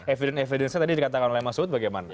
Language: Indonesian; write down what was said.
eviden eviden saya tadi dikatakan oleh mas uud bagaimana